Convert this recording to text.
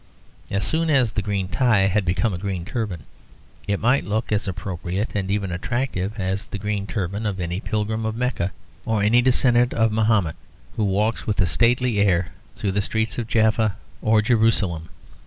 As soon as the green tie had become a green turban, it might look as appropriate and even attractive as the green turban of any pilgrim of Mecca or any descendant of Mahomet, who walks with a stately air through the streets of Jaffa or Jerusalem.